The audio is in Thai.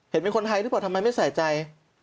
เห็นเป็นคนไทยหรือเปล่าทำไมไม่ใส่ใจ